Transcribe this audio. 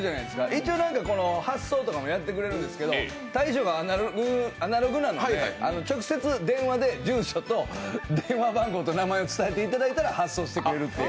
一応、発送とかもやってくれるんですけど大将がアナログなので、直接電話で住所と電話番号と名前を伝えていただいたら発送してくれると。